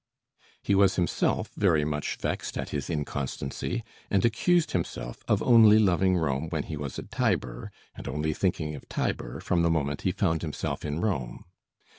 He was himself very much vexed at his inconstancy, and accused himself of "only loving Rome when he was at Tibur, and only thinking of Tibur from the moment he found himself in Rome."